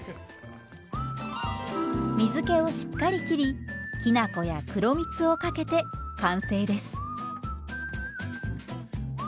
水けをしっかりきりきな粉や黒みつをかけて完成です。